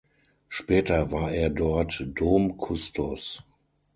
Später war er dort Domkustos.